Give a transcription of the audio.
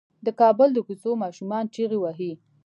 د کابل د کوڅو ماشومان چيغې وهي.